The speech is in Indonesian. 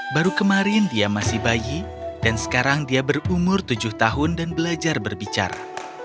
baru kemarin dia masih bayi dan sekarang dia berumur tujuh tahun dan belajar berbicara